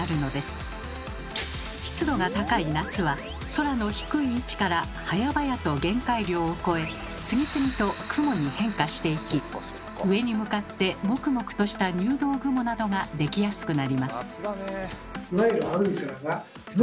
湿度が高い夏は空の低い位置からはやばやと限界量を超え次々と雲に変化していき上に向かってモクモクとした入道雲などができやすくなります。